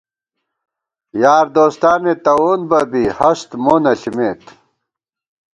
یار دوستانے تَوون بہ بی ہست مو نہ ݪِمېت